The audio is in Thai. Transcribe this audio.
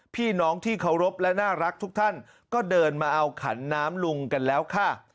พี่น้องที่เคารพและน่ารักทุกท่านก็เดินมาเอาขันน้ำลุงกันแล้วค่ะ